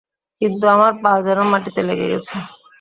কিন্তু আমার পা যেন মাটিতে লেগে গেছে।